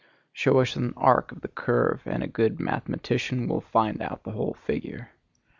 Show us an arc of the curve, and a good mathematician will find out the whole figure.